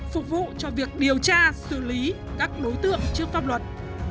phục vụ cho việc điều tra xử lý các đối tượng trước pháp luật